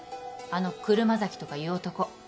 あの車崎とかいう男。